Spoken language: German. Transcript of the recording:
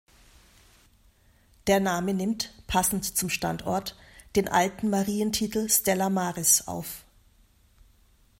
Der Name nimmt, passend zum Standort, den alten Marientitel Stella Maris auf.